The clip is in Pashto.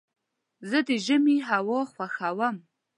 زه د ژمي هوا خوښوم.